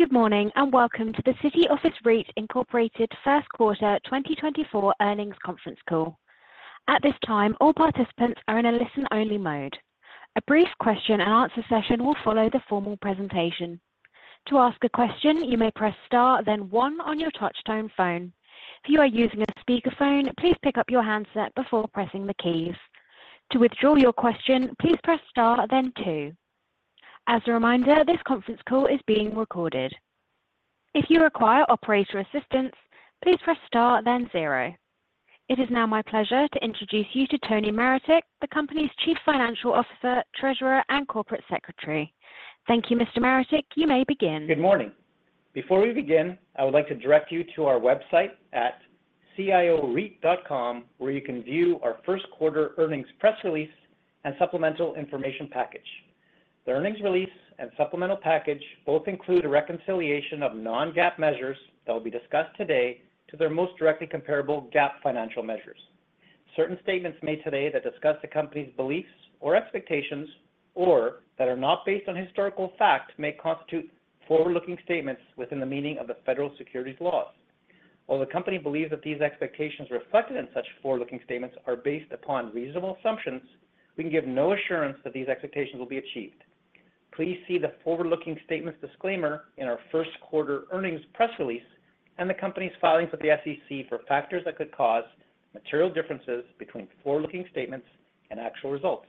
Good morning, and welcome to the City Office REIT Incorporated First Quarter 2024 Earnings Conference Call. At this time, all participants are in a listen-only mode. A brief question-and-answer session will follow the formal presentation. To ask a question, you may press star, then one on your touchtone phone. If you are using a speakerphone, please pick up your handset before pressing the keys. To withdraw your question, please press star, then two. As a reminder, this conference call is being recorded. If you require operator assistance, please press star, then zero. It is now my pleasure to introduce you to Tony Maretic, the company's Chief Financial Officer, Treasurer, and Corporate Secretary. Thank you, Mr. Maretic. You may begin. Good morning. Before we begin, I would like to direct you to our website at cioreit.com, where you can view our first quarter earnings press release and supplemental information package. The earnings release and supplemental package both include a reconciliation of non-GAAP measures that will be discussed today to their most directly comparable GAAP financial measures. Certain statements made today that discuss the company's beliefs or expectations or that are not based on historical fact, may constitute forward-looking statements within the meaning of the federal securities laws. While the company believes that these expectations reflected in such forward-looking statements are based upon reasonable assumptions, we can give no assurance that these expectations will be achieved. Please see the forward-looking statements disclaimer in our first quarter earnings press release and the company's filings with the SEC for factors that could cause material differences between forward-looking statements and actual results.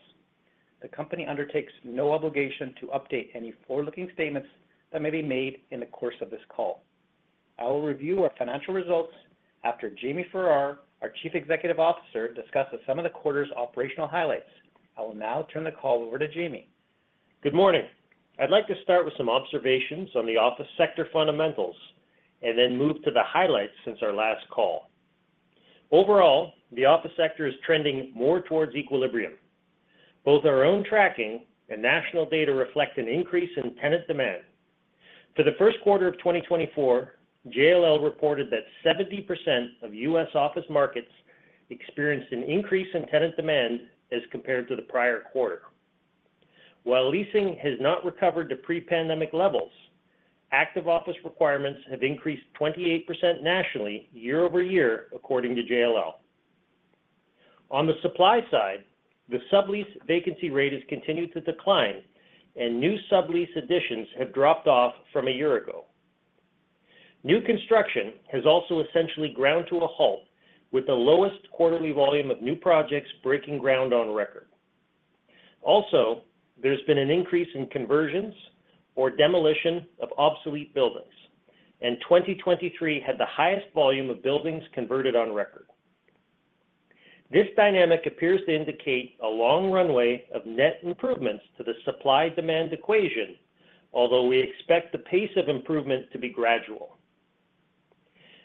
The company undertakes no obligation to update any forward-looking statements that may be made in the course of this call. I will review our financial results after Jamie Farrar, our Chief Executive Officer, discusses some of the quarter's operational highlights. I will now turn the call over to Jamie. Good morning. I'd like to start with some observations on the office sector fundamentals and then move to the highlights since our last call. Overall, the office sector is trending more towards equilibrium. Both our own tracking and national data reflect an increase in tenant demand. For the first quarter of 2024, JLL reported that 70% of U.S. office markets experienced an increase in tenant demand as compared to the prior quarter. While leasing has not recovered to pre-pandemic levels, active office requirements have increased 28% nationally, year-over-year, according to JLL. On the supply side, the sublease vacancy rate has continued to decline, and new sublease additions have dropped off from a year ago. New construction has also essentially ground to a halt, with the lowest quarterly volume of new projects breaking ground on record. Also, there's been an increase in conversions or demolition of obsolete buildings, and 2023 had the highest volume of buildings converted on record. This dynamic appears to indicate a long runway of net improvements to the supply-demand equation, although we expect the pace of improvement to be gradual.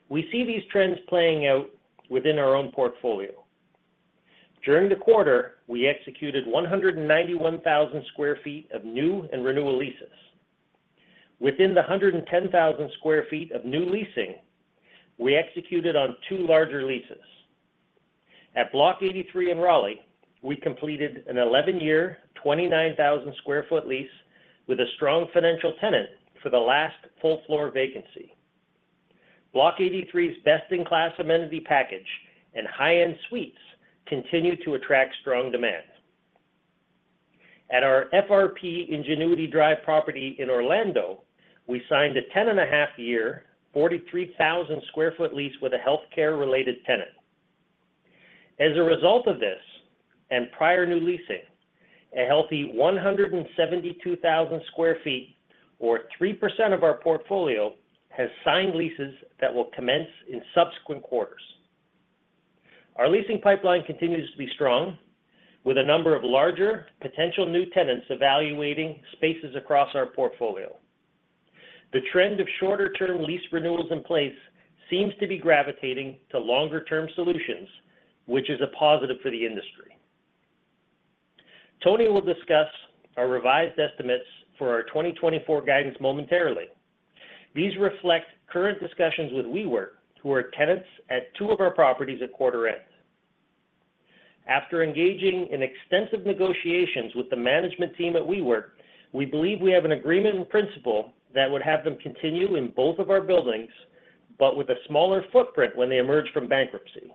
We see these trends playing out within our own portfolio. During the quarter, we executed 191,000 sq ft of new and renewal leases. Within the 110,000 sq ft of new leasing, we executed on two larger leases. At Bloc 83 in Raleigh, we completed an 11-year, 29,000 sq ft lease with a strong financial tenant for the last full floor vacancy. Bloc 83's best-in-class amenity package and high-end suites continue to attract strong demand. At our FRP Ingenuity Drive property in Orlando, we signed a 10.5-year, 43,000 sq ft lease with a healthcare-related tenant. As a result of this, and prior new leasing, a healthy 172,000 sq ft, or 3% of our portfolio, has signed leases that will commence in subsequent quarters. Our leasing pipeline continues to be strong, with a number of larger potential new tenants evaluating spaces across our portfolio. The trend of shorter term lease renewals in place seems to be gravitating to longer term solutions, which is a positive for the industry. Tony will discuss our revised estimates for our 2024 guidance momentarily. These reflect current discussions with WeWork, who are tenants at two of our properties at quarter end. After engaging in extensive negotiations with the management team at WeWork, we believe we have an agreement in principle that would have them continue in both of our buildings, but with a smaller footprint when they emerge from bankruptcy.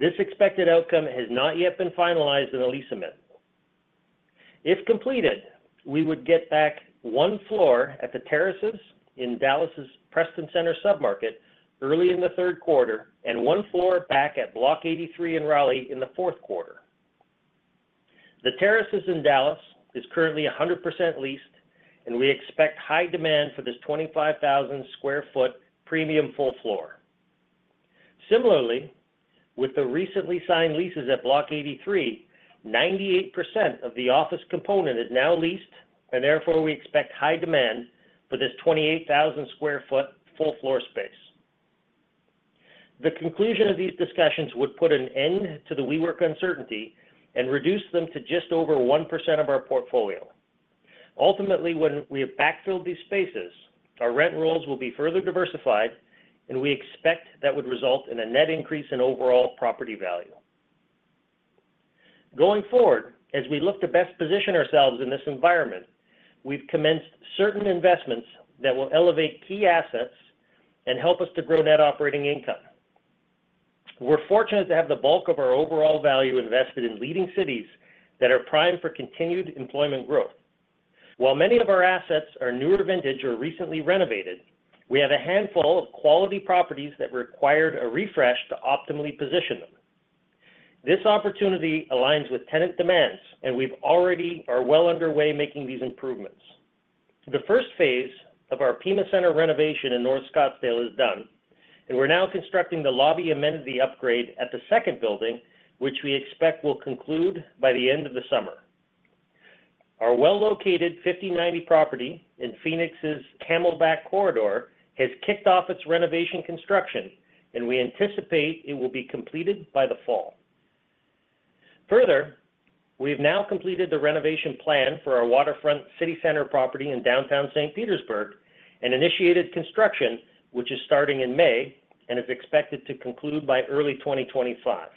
This expected outcome has not yet been finalized in a lease amendment. If completed, we would get back one floor at The Terraces in Dallas' Preston Center submarket early in the third quarter and one floor back at Bloc 83 in Raleigh in the fourth quarter. The Terraces in Dallas is currently 100% leased, and we expect high demand for this 25,000 sq ft premium full floor. Similarly, with the recently signed leases at Bloc 83, 98% of the office component is now leased, and therefore we expect high demand for this 28,000 sq ft full floor space. The conclusion of these discussions would put an end to the WeWork uncertainty and reduce them to just over 1% of our portfolio. Ultimately, when we have backfilled these spaces, our rent rolls will be further diversified, and we expect that would result in a net increase in overall property value.... Going forward, as we look to best position ourselves in this environment, we've commenced certain investments that will elevate key assets and help us to grow net operating income. We're fortunate to have the bulk of our overall value invested in leading cities that are primed for continued employment growth. While many of our assets are newer vintage or recently renovated, we have a handful of quality properties that required a refresh to optimally position them. This opportunity aligns with tenant demands, and we are already well underway making these improvements. The first phase of our Pima Center renovation in North Scottsdale is done, and we're now constructing the lobby amenity upgrade at the second building, which we expect will conclude by the end of the summer. Our well-located 5090 property in Phoenix's Camelback Corridor has kicked off its renovation construction, and we anticipate it will be completed by the fall. Further, we have now completed the renovation plan for our waterfront City Center property in downtown St. Petersburg and initiated construction, which is starting in May and is expected to conclude by early 2025.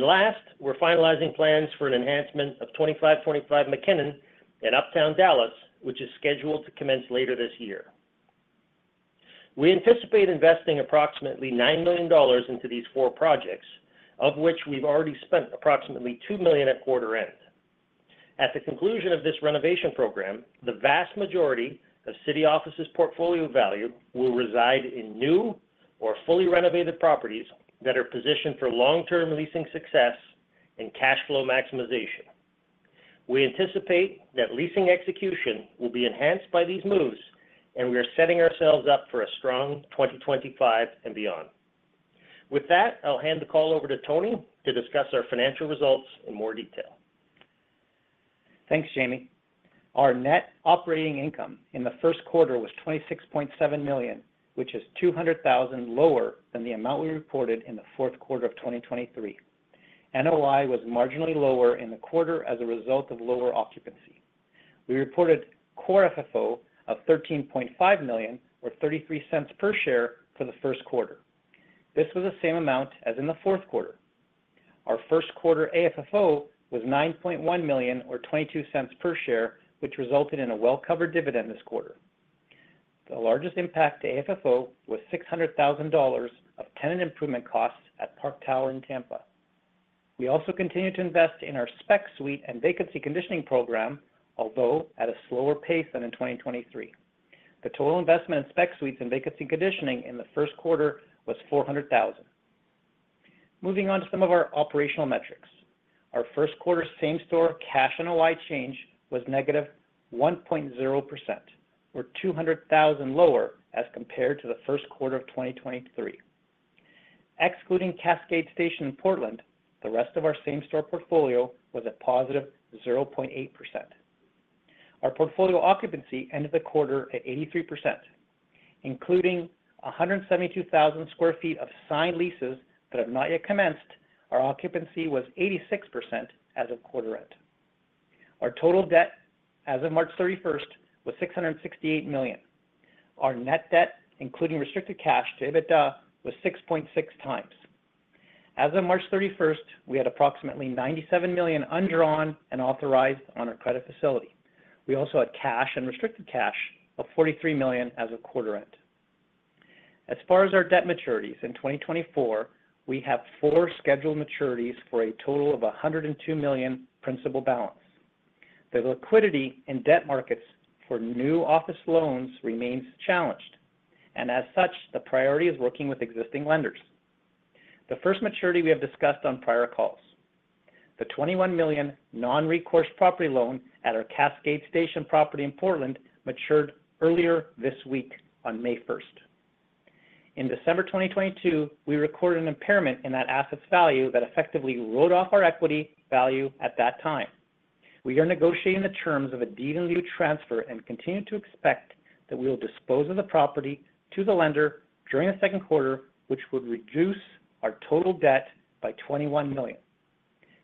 Last, we're finalizing plans for an enhancement of 2525 McKinnon in Uptown Dallas, which is scheduled to commence later this year. We anticipate investing approximately $9 million into these four projects, of which we've already spent approximately $2 million at quarter end. At the conclusion of this renovation program, the vast majority of City Office's portfolio value will reside in new or fully renovated properties that are positioned for long-term leasing success and cash flow maximization. We anticipate that leasing execution will be enhanced by these moves, and we are setting ourselves up for a strong 2025 and beyond. With that, I'll hand the call over to Tony to discuss our financial results in more detail. Thanks, Jamie. Our net operating income in the first quarter was $26.7 million, which is $200,000 lower than the amount we reported in the fourth quarter of 2023. NOI was marginally lower in the quarter as a result of lower occupancy. We reported Core FFO of $13.5 million, or $0.33 per share for the first quarter. This was the same amount as in the fourth quarter. Our first quarter AFFO was $9.1 million, or $0.22 per share, which resulted in a well-covered dividend this quarter. The largest impact to AFFO was $600,000 of tenant improvement costs at Park Tower in Tampa. We also continued to invest in our spec suite and vacancy conditioning program, although at a slower pace than in 2023. The total investment in spec suites and vacancy conditioning in the first quarter was $400,000. Moving on to some of our operational metrics. Our first quarter same-store cash NOI change was -1.0%, or $200,000 lower as compared to the first quarter of 2023. Excluding Cascade Station in Portland, the rest of our same-store portfolio was at +0.8%. Our portfolio occupancy ended the quarter at 83%, including 172,000 sq ft of signed leases that have not yet commenced. Our occupancy was 86% as of quarter end. Our total debt as of March 31 was $668 million. Our net debt, including restricted cash to EBITDA, was 6.6x. As of March 31, we had approximately $97 million undrawn and authorized on our credit facility. We also had cash and restricted cash of $43 million as of quarter end. As far as our debt maturities, in 2024, we have four scheduled maturities for a total of $102 million principal balance. The liquidity in debt markets for new office loans remains challenged, and as such, the priority is working with existing lenders. The first maturity we have discussed on prior calls, the $21 million non-recourse property loan at our Cascade Station property in Portland, matured earlier this week on May 1. In December 2022, we recorded an impairment in that asset's value that effectively wrote off our equity value at that time. We are negotiating the terms of a deed-in-lieu transfer and continue to expect that we will dispose of the property to the lender during the second quarter, which would reduce our total debt by $21 million.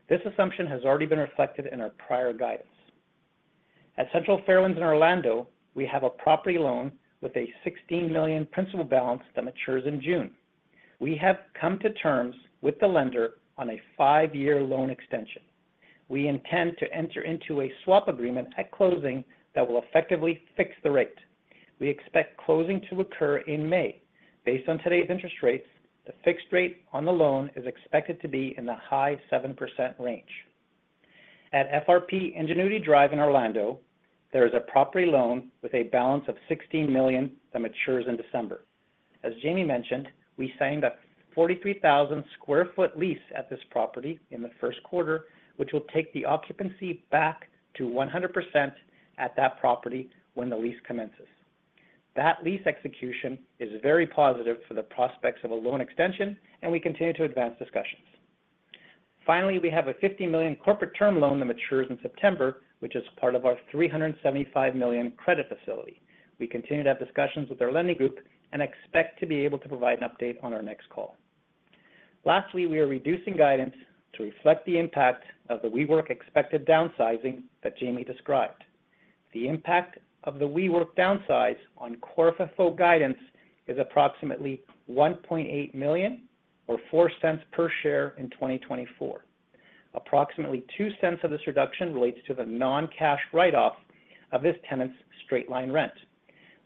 This assumption has already been reflected in our prior guidance. At Central Fairwinds in Orlando, we have a property loan with a $16 million principal balance that matures in June. We have come to terms with the lender on a five-year loan extension. We intend to enter into a swap agreement at closing that will effectively fix the rate. We expect closing to occur in May. Based on today's interest rates, the fixed rate on the loan is expected to be in the high 7% range. At FRP Ingenuity Drive in Orlando, there is a property loan with a balance of $16 million that matures in December. As Jamie mentioned, we signed a 43,000 sq ft lease at this property in the first quarter, which will take the occupancy back to 100% at that property when the lease commences. That lease execution is very positive for the prospects of a loan extension, and we continue to advance discussions. Finally, we have a $50 million corporate term loan that matures in September, which is part of our $375 million credit facility. We continue to have discussions with our lending group and expect to be able to provide an update on our next call. Lastly, we are reducing guidance to reflect the impact of the WeWork expected downsizing that Jamie described. The impact of the WeWork downsize on Core FFO guidance is approximately $1.8 million or $0.04 per share in 2024. Approximately $0.02 of this reduction relates to the non-cash write-off of this tenant's straight-line rent.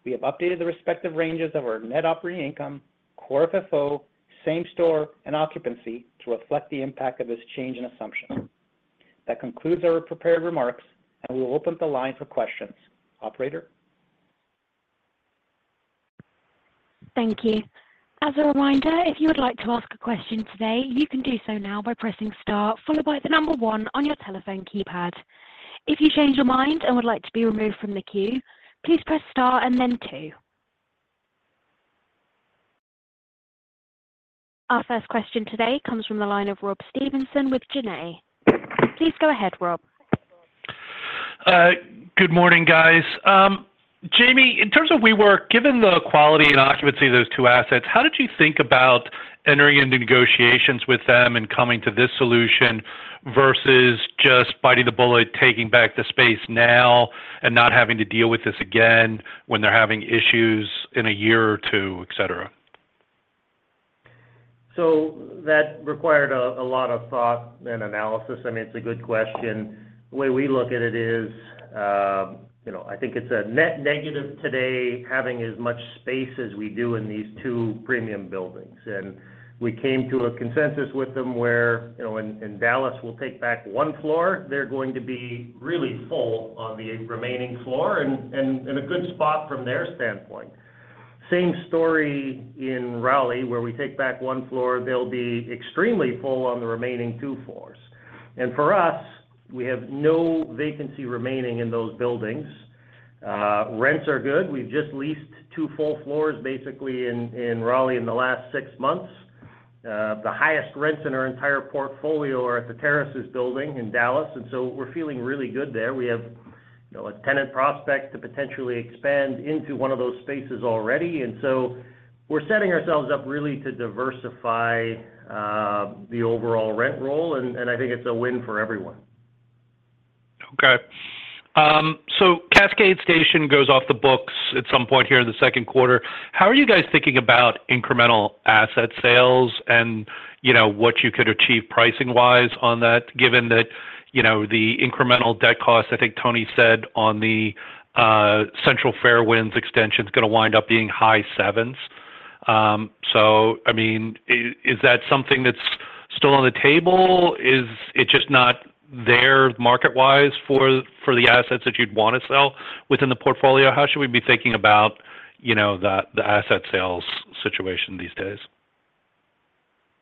We have updated the respective ranges of our net operating income, Core FFO, same-store, and occupancy to reflect the impact of this change in assumption. That concludes our prepared remarks, and we will open up the line for questions. Operator? Thank you. As a reminder, if you would like to ask a question today, you can do so now by pressing star followed by the number one on your telephone keypad. If you change your mind and would like to be removed from the queue, please press star and then two. Our first question today comes from the line of Rob Stevenson with Janney. Please go ahead, Rob. Good morning, guys. Jamie, in terms of WeWork, given the quality and occupancy of those two assets, how did you think about entering into negotiations with them and coming to this solution versus just biting the bullet, taking back the space now and not having to deal with this again when they're having issues in a year or two, etc? So that required a lot of thought and analysis. I mean, it's a good question. The way we look at it is, you know, I think it's a net negative today, having as much space as we do in these two premium buildings. And we came to a consensus with them where, you know, in Dallas, we'll take back one floor. They're going to be really full on the remaining floor and in a good spot from their standpoint. Same story in Raleigh, where we take back one floor, they'll be extremely full on the remaining two floors. And for us, we have no vacancy remaining in those buildings. Rents are good. We've just leased two full floors, basically in Raleigh in the last six months. The highest rents in our entire portfolio are at The Terraces building in Dallas, and so we're feeling really good there. We have, you know, a tenant prospect to potentially expand into one of those spaces already, and so we're setting ourselves up really to diversify, the overall rent roll, and, and I think it's a win for everyone. Okay. So Cascade Station goes off the books at some point here in the second quarter. How are you guys thinking about incremental asset sales and, you know, what you could achieve pricing-wise on that, given that, you know, the incremental debt costs, I think Tony said on the Central Fairwinds extension is going to wind up being high sevens. So, I mean, is that something that's still on the table? Is it just not there market-wise for the assets that you'd want to sell within the portfolio? How should we be thinking about, you know, the asset sales situation these days?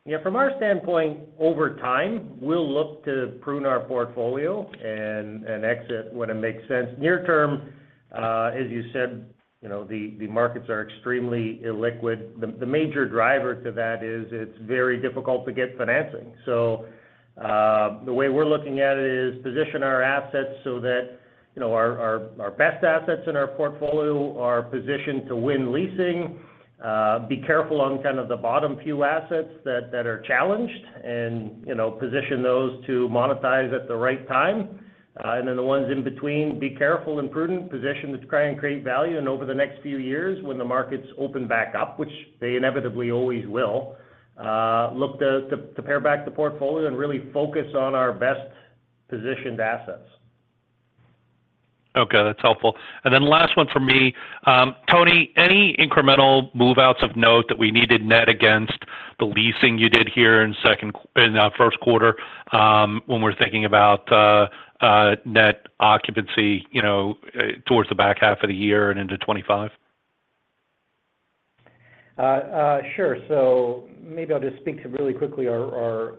Yeah, from our standpoint, over time, we'll look to prune our portfolio and exit when it makes sense. Near-term, as you said, you know, the markets are extremely illiquid. The major driver to that is it's very difficult to get financing. So, the way we're looking at it is position our assets so that, you know, our best assets in our portfolio are positioned to win leasing. Be careful on kind of the bottom few assets that are challenged and, you know, position those to monetize at the right time. And then the ones in between, be careful and prudent, position to try and create value. And over the next few years, when the markets open back up, which they inevitably always will, look to pare back the portfolio and really focus on our best-positioned assets. Okay, that's helpful. Then last one for me. Tony, any incremental move-outs of note that we needed net against the leasing you did here in the first quarter, when we're thinking about net occupancy, you know, towards the back half of the year and into 2025? Sure. So maybe I'll just speak to really quickly our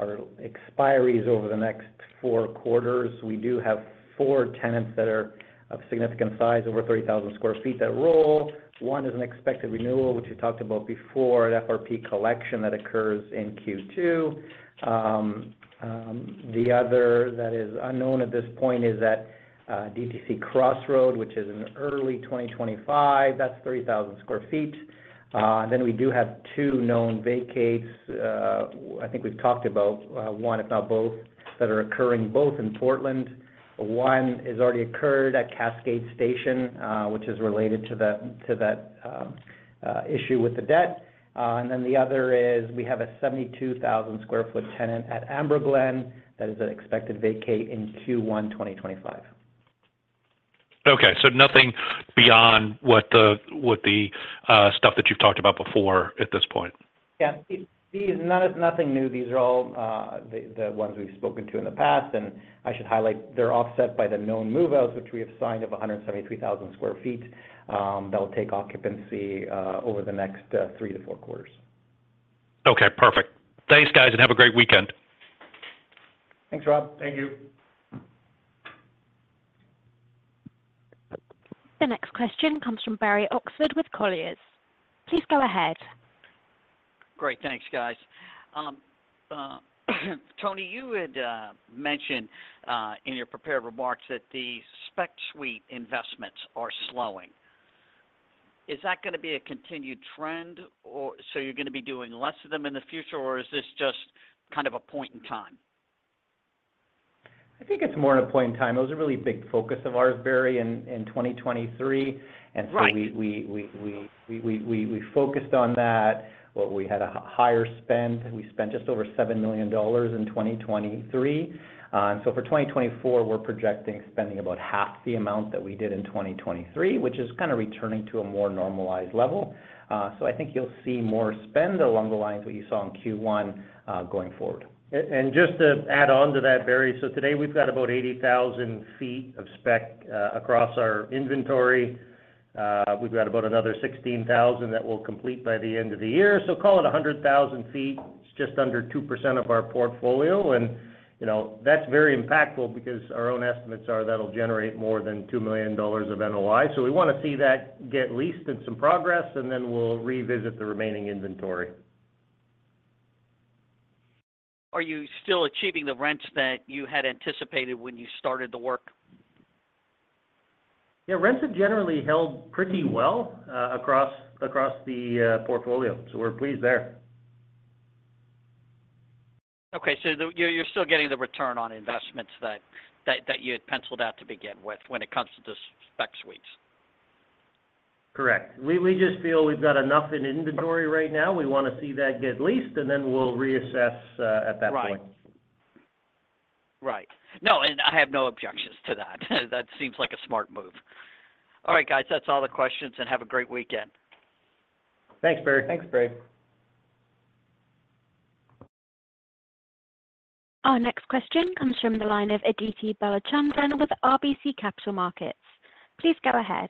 expiries over the next four quarters. We do have four tenants that are of significant size, over 30,000 sq ft, that roll. One is an expected renewal, which we talked about before, an FRP Collection that occurs in Q2. The other that is unknown at this point is that DTC Crossroads, which is in early 2025, that's 30,000 sq ft. Then we do have two known vacates, I think we've talked about one, if not both, that are occurring both in Portland. One has already occurred at Cascade Station, which is related to that issue with the debt. And then the other is we have a 72,000 sq ft tenant at AmberGlen that is an expected vacate in Q1 2025. Okay, so nothing beyond what the stuff that you've talked about before at this point? Yeah. These, nothing new. These are all the ones we've spoken to in the past, and I should highlight, they're offset by the known move-outs, which we have signed up 173,000 sq ft. That'll take occupancy over the next three to four quarters. Okay, perfect. Thanks, guys, and have a great weekend. Thanks, Rob. Thank you. The next question comes from Barry Oxford with Colliers. Please go ahead. Great. Thanks, guys. Tony, you had mentioned in your prepared remarks that the spec suite investments are slowing. Is that going to be a continued trend, or so you're going to be doing less of them in the future, or is this just kind of a point in time? I think it's more of a point in time. It was a really big focus of ours, Barry, in 2023. Right. So we focused on that, but we had a higher spend. We spent just over $7 million in 2023. So for 2024, we're projecting spending about half the amount that we did in 2023, which is kind of returning to a more normalized level. So I think you'll see more spend along the lines of what you saw in Q1, going forward. And just to add on to that, Barry, so today we've got about 80,000 sq ft of spec across our inventory. We've got about another 16,000 sq ft that we'll complete by the end of the year. So call it 100,000 sq ft, it's just under 2% of our portfolio, and, you know, that's very impactful because our own estimates are that'll generate more than $2 million of NOI. So we want to see that get leased and some progress, and then we'll revisit the remaining inventory. Are you still achieving the rents that you had anticipated when you started the work? Yeah, rents have generally held pretty well across the portfolio, so we're pleased there. Okay, so you're still getting the return on investments that you had penciled out to begin with when it comes to the spec suites? Correct. We just feel we've got enough in inventory right now. We want to see that get leased, and then we'll reassess at that point. Right. Right. No, and I have no objections to that. That seems like a smart move. All right, guys, that's all the questions, and have a great weekend. Thanks, Barry. Thanks, Barry. Our next question comes from the line of Aditi Balachandran with RBC Capital Markets. Please go ahead.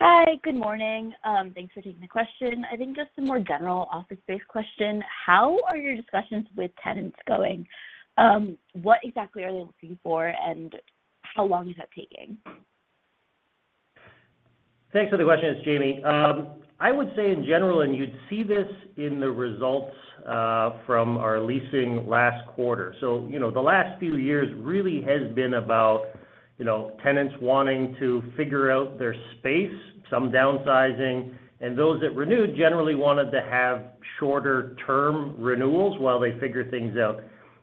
Hi, good morning. Thanks for taking the question. I think just a more general office space question. How are your discussions with tenants going? What exactly are they looking for, and how long is that taking? Thanks for the question, it's Jamie. I would say in general, and you'd see this in the results from our leasing last quarter. So, you know, the last few years really has been about, you know, tenants wanting to figure out their space, some downsizing, and those that renewed generally wanted to have shorter term renewals while they figure things out.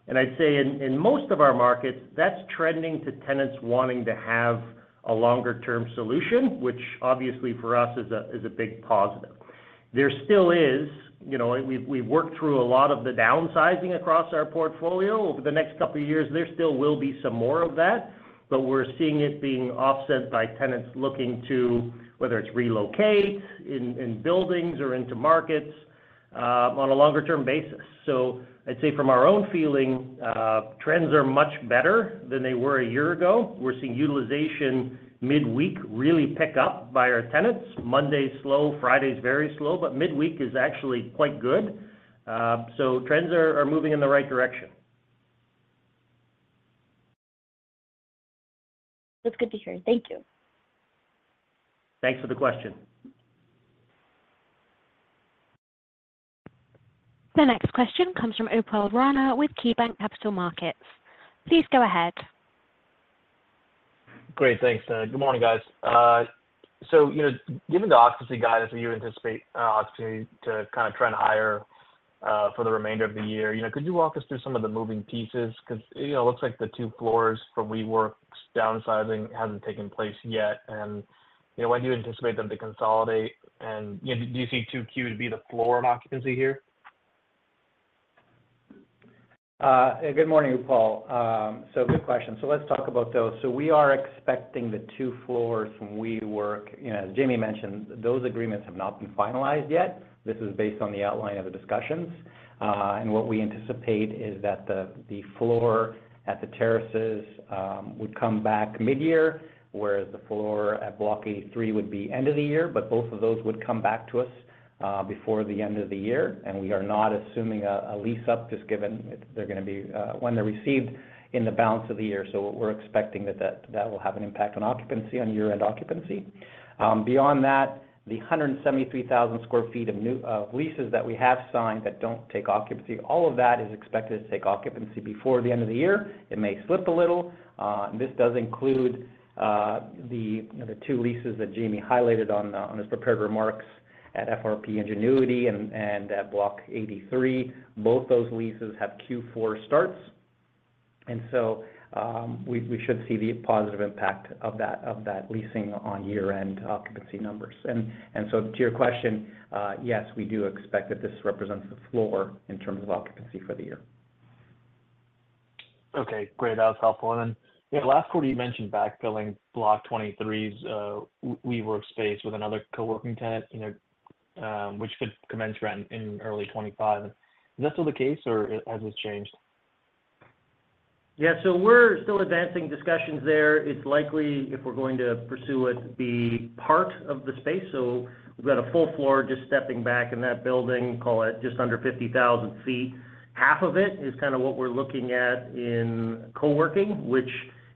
And I'd say in most of our markets, that's trending to tenants wanting to have a longer-term solution, which obviously for us is a big positive. There still is... You know, we've worked through a lot of the downsizing across our portfolio. Over the next couple of years, there still will be some more of that, but we're seeing it being offset by tenants looking to, whether it's relocate in buildings or into markets on a longer-term basis. So I'd say from our own feeling, trends are much better than they were a year ago. We're seeing utilization midweek really pick up by our tenants. Monday's slow, Friday's very slow, but midweek is actually quite good. So trends are moving in the right direction. That's good to hear. Thank you. Thanks for the question. The next question comes from Upal Rana with KeyBanc Capital Markets. Please go ahead. Great, thanks. Good morning, guys. So, you know, given the occupancy guidance, do you anticipate an opportunity to kind of trend higher for the remainder of the year? You know, could you walk us through some of the moving pieces? Because, you know, it looks like the two floors from WeWork's downsizing hasn't taken place yet, and, you know, when do you anticipate them to consolidate, and, you know, do you see 2Q to be the floor of occupancy here? Good morning, Upal. So good question. So let's talk about those. So we are expecting the two floors from WeWork. You know, as Jamie mentioned, those agreements have not been finalized yet. This is based on the outline of the discussions. And what we anticipate is that the floor at The Terraces would come back midyear, whereas the floor at Bloc 83 would be end of the year, but both of those would come back to us before the end of the year. And we are not assuming a lease-up, just given they're gonna be when they're received in the balance of the year. So we're expecting that will have an impact on occupancy, on year-end occupancy. Beyond that, the 173,000 sq ft of new leases that we have signed that don't take occupancy, all of that is expected to take occupancy before the end of the year. It may slip a little, and this does include the two leases that Jamie highlighted on his prepared remarks at FRP Ingenuity and at Bloc 83. Both those leases have Q4 starts, and so we should see the positive impact of that leasing on year-end occupancy numbers. And so to your question, yes, we do expect that this represents the floor in terms of occupancy for the year. Okay, great. That was helpful. And then, yeah, last quarter you mentioned backfilling Bloc 83's WeWork space with another coworking tenant, you know, which could commence rent in early 2025. Is that still the case, or has this changed? Yeah, so we're still advancing discussions there. It's likely, if we're going to pursue it, be part of the space. So we've got a full floor just stepping back in that building, call it just under 50,000 sq ft. Half of it is kind of what we're looking at in coworking, which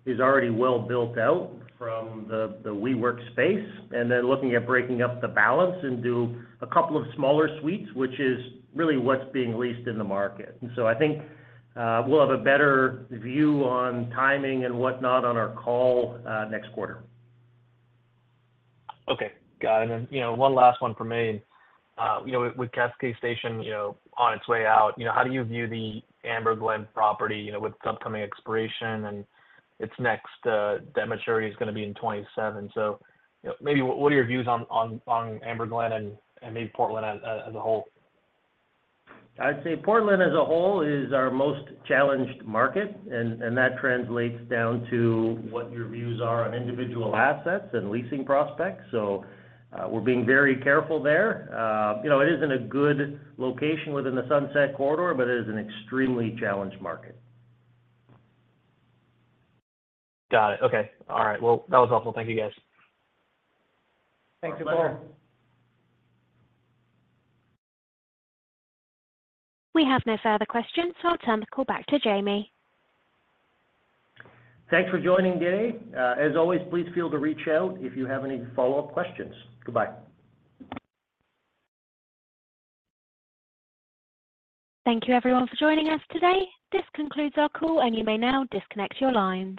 is already well built out from the WeWork space, and then looking at breaking up the balance into a couple of smaller suites, which is really what's being leased in the market. And so I think we'll have a better view on timing and whatnot on our call next quarter. Okay, got it. And then, you know, one last one from me. You know, with Cascade Station, you know, on its way out, you know, how do you view the AmberGlen property, you know, with its upcoming expiration and its next debt maturity is going to be in 2027. So, you know, maybe what are your views on AmberGlen and maybe Portland as a whole? I'd say Portland as a whole is our most challenged market, and that translates down to what your views are on individual assets and leasing prospects. So, we're being very careful there. You know, it is in a good location within the Sunset Corridor, but it is an extremely challenged market. Got it. Okay. All right. Well, that was all. Thank you, guys. Thanks, Upal. We have no further questions, so I'll turn the call back to Jamie. Thanks for joining today. As always, please feel free to reach out if you have any follow-up questions. Goodbye. Thank you, everyone, for joining us today. This concludes our call, and you may now disconnect your lines.